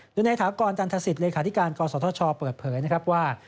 ด้วยในถามกรณ์จันทรศิษย์รคศธชเปิดเผยว่า